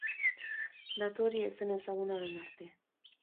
Datu hori ez zen ezaguna orain arte.